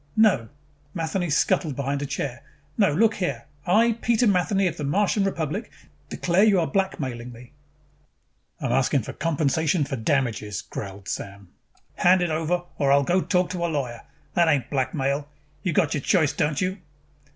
"No!" Matheny scuttled behind a chair. "No, look here! I, Peter Matheny of the Martian Republic, declare you are blackmailing me!" "I'm asking compensation for damages," growled Sam. "Hand it over or I'll go talk to a lawyer. That ain't blackmail. You got your choice, don't you?"